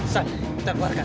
sani kita keluarkan